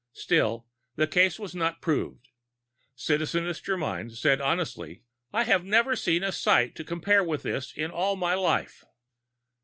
Still, the case was not proved. Citizeness Germyn said honestly: "I have never seen a sight to compare with this in all my life."